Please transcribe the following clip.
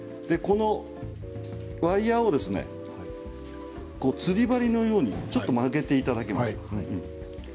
このワイヤーをですね釣り針のようにちょっと曲げていただきます。